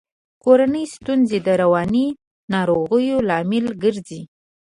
کورنۍ ستونزي د رواني ناروغیو لامل ګرزي.